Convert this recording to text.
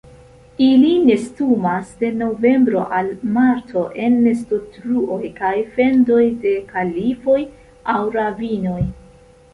Ili nestumas de novembro al marto en nestotruoj kaj fendoj de klifoj aŭ ravinoj.